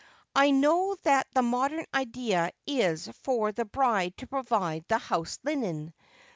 I know that the modern idea is for the bride to provide the house linen.